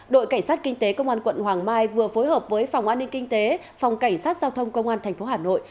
đội cảnh sát kinh tế công an quận hoàng mai vừa phối hợp với phòng an ninh kinh tế phòng cảnh sát giao thông công an tp hà nội